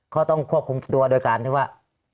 เขาต้องควบคุมตัวโดยการที่ว่า